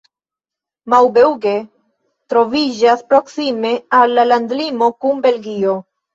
Maubeuge troviĝas proksime al la landlimo kun Belgio.